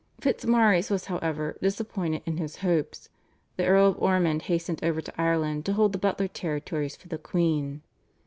Fitzmaurice was, however, disappointed in his hopes. The Earl of Ormond hastened over to Ireland to hold the Butler territories for the queen.